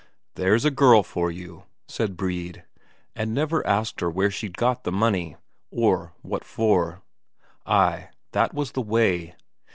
"There's a girl for you," said Brede, and never asked her where she'd got the money, or what for. Ay, that was the way!